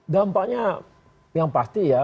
dampaknya yang pasti ya